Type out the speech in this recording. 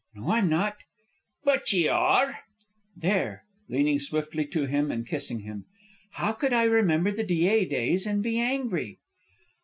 "No, I'm not." "But ye are." "There!" leaning swiftly to him and kissing him. "How could I remember the Dyea days and be angry?"